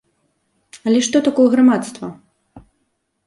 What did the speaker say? Але што такое грамадства?